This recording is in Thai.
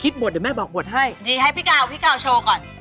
บทเดี๋ยวแม่บอกบทให้ดีให้พี่กาวพี่กาวโชว์ก่อน